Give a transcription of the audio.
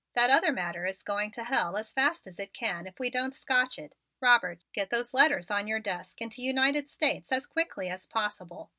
That other matter is going to go to hell as fast as it can if we don't scotch it. Robert, get those letters on your desk into United States as quickly as possible.